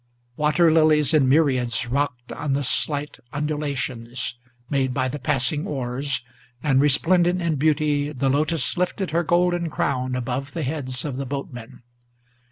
Water lilies in myriads rocked on the slight undulations Made by the passing oars, and, resplendent in beauty, the lotus Lifted her golden crown above the heads of the boatmen.